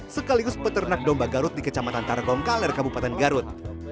sekaligus peternak domba garut di kecamatan taragongkaler kabupaten garut